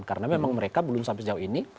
karena memang mereka belum sampai sejauh ini